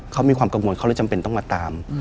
เขามีความกังวลเขาเลยจำเป็นต้องมาตาม